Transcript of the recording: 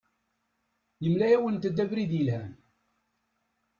Yemla-awent-d abrid yelhan.